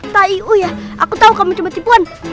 t'ai'u ya aku tahu kamu cuma tipuan